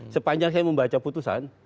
sepanjang saya membaca putusan